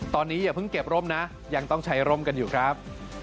ตอนนี้อย่าเพิ่งเก็บร่มนะยังต้องใช้ร่มกันอยู่ครับ